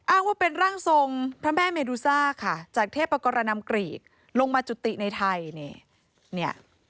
อ้างว่าเป็นร่างทรงพระแม่เมดูซ่าค่ะจากเทพกรนำกรีกลงมาจุติในไทยนี่เนี่ย